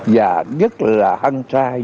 và rất là hăng sai